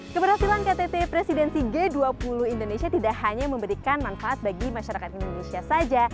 keberhasilan ktt presidensi g dua puluh indonesia tidak hanya memberikan manfaat bagi masyarakat indonesia saja